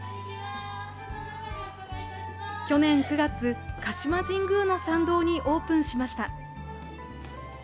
去年９月、鹿島神宮の参道にオープンしました。